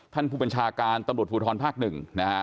ท่านผู้บัญชาการตำรวจภูทรภาคหนึ่งนะฮะ